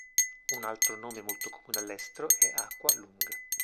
Un altro nome molto comune all'estero è Aqua-lung.